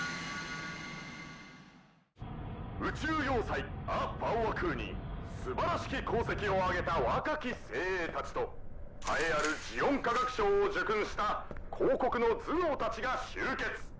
宇宙要塞ア・バオア・クーにすばらしき功績を挙げた若き精鋭たちと栄えあるジオン科学賞を受勲した公国の頭脳たちが集結。